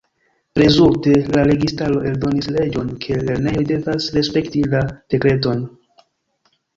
Rezulte, la registaro eldonis leĝon ke lernejoj devas respekti la Dekreton.